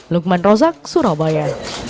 lukman rozak surabaya